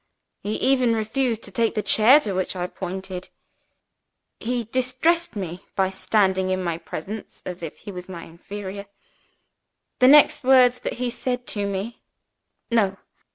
"He even refused to take the chair to which I pointed. He distressed me by standing in my presence as if he was my inferior. The next words that he said to me "No!